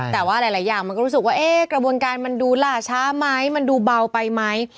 แต่ว่าหลายอย่างมันก็รู้สึกว่ากระบวนการมันดูล่าช้าไหมมันดูเบาไปไหม